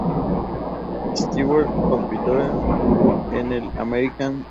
Stewart compitió en el de "America's Next Top Model".